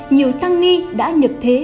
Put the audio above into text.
nhiều tăng nghi đã nhập thế